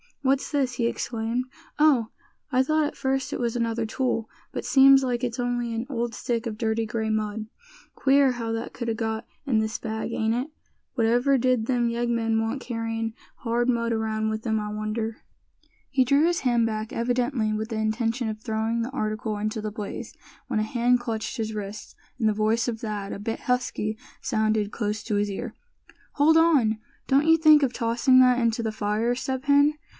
what's this?" he exclaimed; "Oh! I thought at first it was another tool; but seems like it's only an old stick of dirty gray mud. Queer how that could a got in this bag, ain't it? Whatever did them yeggmen want carryin' hard mud around with 'em, I wonder?" He drew his hand back, evidently with the intention of throwing the article into the blaze, when a hand clutched his wrist, and the voice of Thad, a bit husky, sounded close to his ear: "Hold on! don't you think of tossing that into the fire, Step Hen!